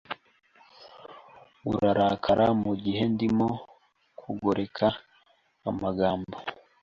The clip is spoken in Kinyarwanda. Urarakara mugihe ndimo kugoreka amagambo